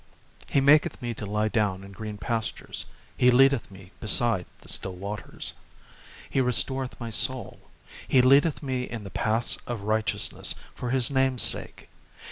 2 He maketh me to lie down in green pastures: he leadeth me beside the still waters. 3 He restoreth my soul: he leadeth me in the paths of righteousness for his name's sake.